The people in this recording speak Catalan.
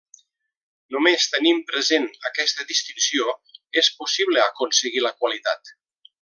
Només tenint present aquesta distinció és possible aconseguir la qualitat.